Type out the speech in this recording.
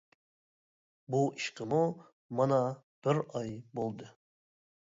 بۇ ئىشقىمۇ مانا بىر ئاي بولدى.